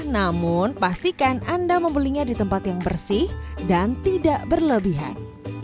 namun pastikan anda membelinya di tempat yang bersih dan tidak berlebihan